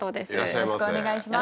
よろしくお願いします。